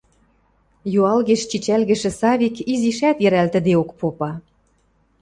Юалгеш чичӓлгӹшӹ Савик изишӓт йӹрӓлтӹдеок попа: